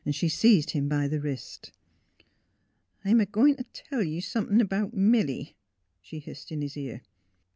She seized him by the wrist. ''I'm a goin' t' tell ye somethin' 'bout Milly," she hissed in his ear.